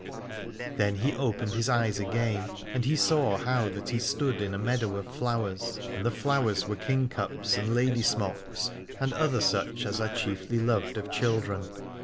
Then he opened his eyes again, and he saw how that he stood in a meadow of flowers, and the flowers were kingcups and lady smocks and other such as are chiefly loved of children.